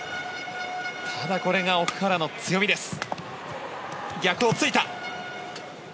ただ、これが奥原の強みです。